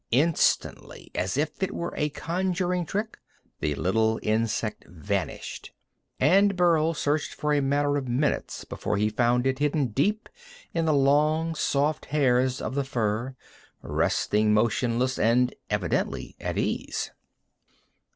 Instantly, as if it were a conjuring trick, the little insect vanished, and Burl searched for a matter of minutes before he found it hidden deep in the long, soft hairs of the fur, resting motionless, and evidently at ease.